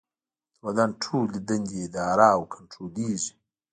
د بدن ټولې دندې اداره او کنټرولېږي.